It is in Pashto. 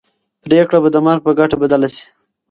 پرېکړه به د مرګ په ګټه بدله شي.